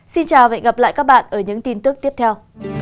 xin chào và hẹn gặp lại các bạn ở những tin tức tiếp theo